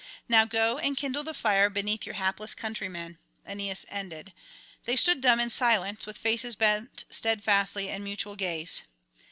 Now go, and kindle the fire beneath your hapless countrymen.' Aeneas ended: they stood dumb in silence, with faces bent steadfastly in mutual gaze.